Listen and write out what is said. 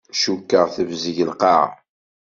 Cukkeɣ tebzeg lqaɛa.